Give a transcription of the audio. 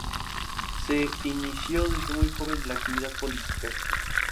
Se inició desde muy joven en la actividad política.